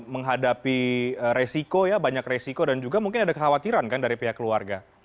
menghadapi resiko ya banyak resiko dan juga mungkin ada kekhawatiran kan dari pihak keluarga